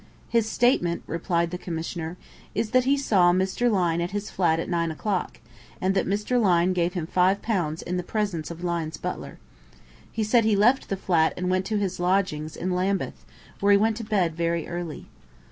"His statement," replied the Commissioner, "is that he saw Mr. Lyne at his flat at nine o'clock, and that Mr. Lyne gave him five pounds in the presence of Lyne's butler. He said he left the flat and went to his lodgings in Lambeth, where he went to bed very early.